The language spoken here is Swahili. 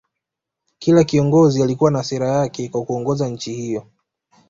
Kila kiongozi alikuwa na sera zake kwa kuongoza nchi hiyo